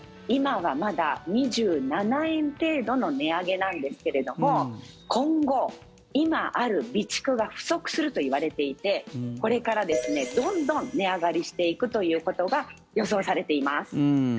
今はまだ２７円程度の値上げなんですけれども今後、今ある備蓄が不足するといわれていてこれからどんどん値上がりしていくということが予想されています。